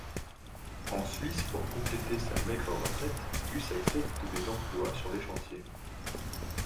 En Suisse, pour compléter sa maigre retraite, Gus accepte des emplois sur des chantiers.